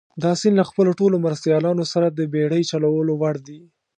دا سیند له خپلو ټولو مرستیالانو سره د بېړۍ چلولو وړ دي.